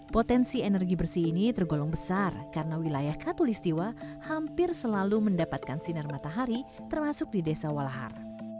potensi energi bersih ini tergolong besar karena wilayah katolistiwa hampir selalu mendapatkan sinar matahari termasuk di desa walahar